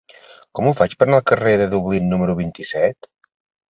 Com ho faig per anar al carrer de Dublín número vint-i-set?